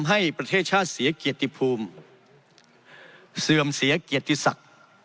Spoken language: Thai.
ไอประเทศเพื่อนบ้าน